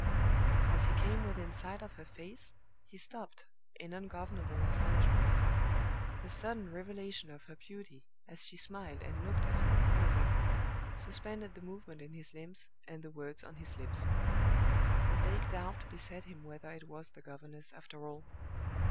As he came within sight of her face, he stopped in ungovernable astonishment. The sudden revelation of her beauty, as she smiled and looked at him inquiringly, suspended the movement in his limbs and the words on his lips. A vague doubt beset him whether it was the governess, after all.